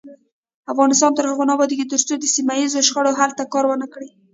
افغانستان تر هغو نه ابادیږي، ترڅو د سیمه ییزو شخړو حل ته کار ونکړو.